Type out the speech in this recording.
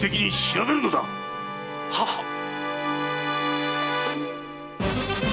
ははっ！